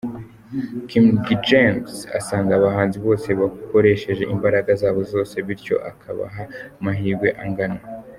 King James asanga abahanzi bose barakoresheje imbaraga zabo zose bityo akabaha amahirwe angana.